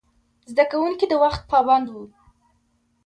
زده کوونکي د وخت پابند وو.